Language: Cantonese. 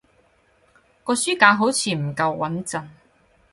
個書架好似唔夠穏陣